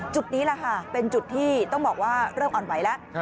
จุดนี้แหละค่ะเป็นจุดที่ต้องบอกว่าเริ่มอ่อนไหวแล้ว